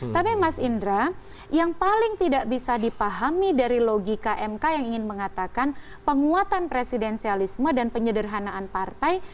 tapi mas indra yang paling tidak bisa dipahami dari logika mk yang ingin mengatakan penguatan presidensialisme dan penyederhanaan partai